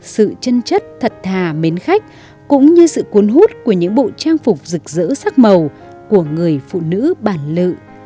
sự chân chất thật thà mến khách cũng như sự cuốn hút của những bộ trang phục rực rỡ sắc màu của người phụ nữ bản lự